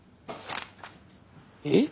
えっ？